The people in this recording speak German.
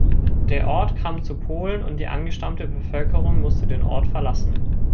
Der Ort kam zu Polen, und die angestammte Bevölkerung musste den Ort verlassen.